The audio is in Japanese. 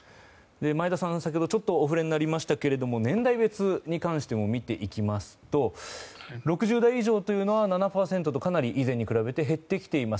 前田さん、先ほどお触れになりましたが年代別に関しても見ていきますと６０代以上というのは７％とかなり以前に比べて減ってきています。